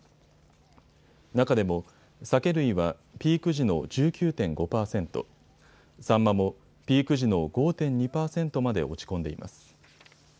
中でもサケ類はピーク時の１９．５％、サンマもピーク時の５．２％まで落ち込んでいます。